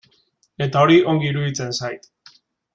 Eta hori ongi iruditzen zait.